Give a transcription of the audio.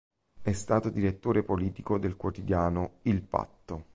È stato direttore politico del quotidiano "Il Patto".